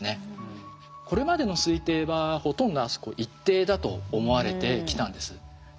これまでの推定はほとんどあそこ一定だと思われてきたんです。